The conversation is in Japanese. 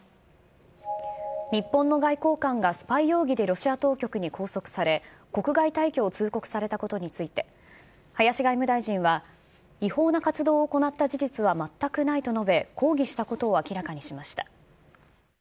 日本の外交官がスパイ容疑でロシア当局に拘束され、国外退去を通告されたことについて、林外務大臣は、違法な活動を行った事実は全くないと述べ、抗議したことを明らかにしました。